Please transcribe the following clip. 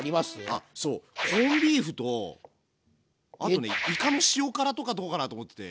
あそうコンビーフとあとねいかの塩辛とかどうかなと思ってて。